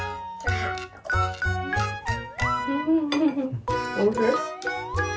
フフフおいしい？